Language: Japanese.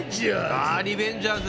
あリベンジャーズ。